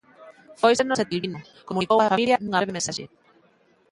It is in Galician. Fóisenos Etelvino, comunicou a familia nunha breve mensaxe.